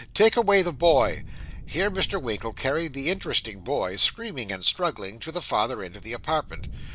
'Take away the boy.' (Here Mr. Winkle carried the interesting boy, screaming and struggling, to the farther end of the apartment.)